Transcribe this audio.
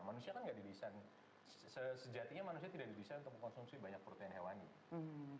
manusia kan nggak didesain sejatinya manusia tidak didesain untuk mengkonsumsi banyak protein hewani